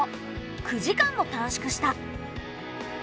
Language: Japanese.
９時間も短縮した。